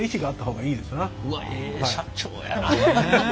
うわっええ社長やな。